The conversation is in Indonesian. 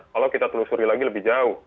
kalau kita telusuri lagi lebih jauh